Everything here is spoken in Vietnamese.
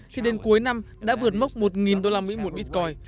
thì đến cuối năm đã vượt mốc một đô la mỹ một bitcoin